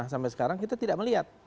sampai sekarang kita tidak melihat